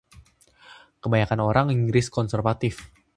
Kebanyakan orang Inggris konservatif.